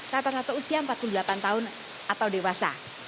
rata rata usia empat puluh delapan tahun atau dewasa